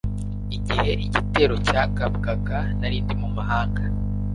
igihe igitero cyagabwaga narindi mu mahanga